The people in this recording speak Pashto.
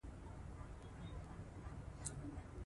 فلم کښې موسيقي هم شته